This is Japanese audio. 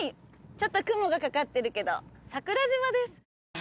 ちょっと雲がかかってるけど桜島です